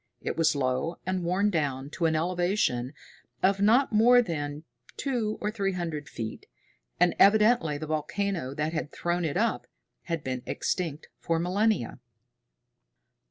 It was low and worn down to an elevation of not more than two or three hundred feet, and evidently the volcano that had thrown it up had been extinct for millennia.